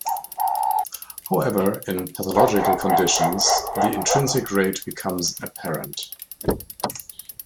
However, in pathological conditions, the intrinsic rate becomes apparent.